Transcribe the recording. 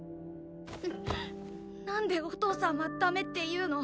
なんでお父さんはダメって言うの？